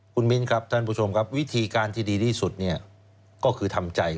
คุณมิ้นครับท่านผู้ชมครับวิธีการที่ดีที่สุดเนี่ยก็คือทำใจ